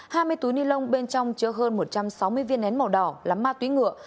tuy nhiên hai mươi túi nilon bên trong chứa hơn một trăm sáu mươi viên nén màu đỏ là ma túy ngựa